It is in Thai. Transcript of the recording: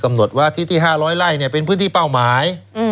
กำหนดว่าที่๕๐๐ไร่เนี่ยเป็นพื้นที่เป้าหมาย